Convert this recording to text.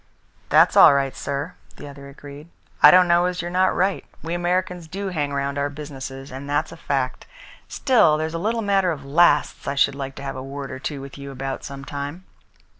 "That's all right, sir," the other agreed. "I don't know as you're not right. We Americans do hang round our businesses, and that's a fact. Still, there's a little matter of lasts I should like to have a word or two with you about some time."